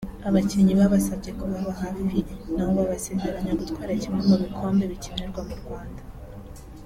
abakinnyi babasabye kubaba hafi nabo babasezeranya gutwara kimwe mu bikombe bikinirwa mu Rwanda